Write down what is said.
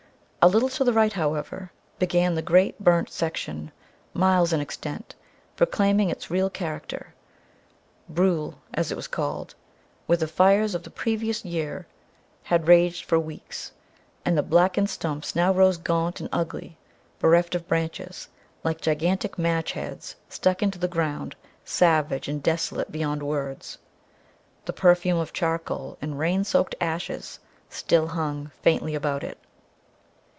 A little to the right, however, began the great burnt section, miles in extent, proclaiming its real character brulé, as it is called, where the fires of the previous year had raged for weeks, and the blackened stumps now rose gaunt and ugly, bereft of branches, like gigantic match heads stuck into the ground, savage and desolate beyond words. The perfume of charcoal and rain soaked ashes still hung faintly about it.